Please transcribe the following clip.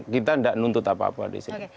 kita tidak nuntut apa apa di sini